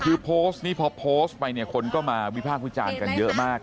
คือโพสต์นี่พอโพสต์ไปเนี้ยคนก็มาวิภาคพุทธจานกันเยอะมาก